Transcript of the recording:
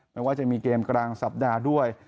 ว่าจะมีเกมกลางสัปดาห์ด้วย